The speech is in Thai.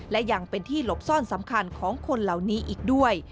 และยังเป็นที่หลบซ่อนสำคัญของคนเหล่านี้อีกด้วย